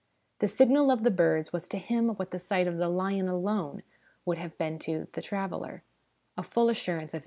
The signal of the birds was to him what the sight of the lion alone would have been to the traveller a full assurance of its existence.